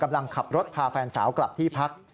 กำลังขับรถพาแฟนสาวกลับที่พัก